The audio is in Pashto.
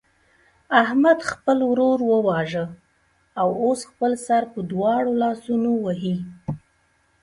احمد خپل ورور وواژه او اوس خپل سر په دواړو لاسونو وهي.